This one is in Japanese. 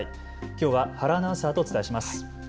きょうは原アナウンサーとお伝えします。